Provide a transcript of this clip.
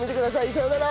さようなら。